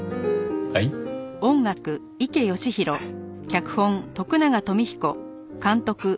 はい？あっ。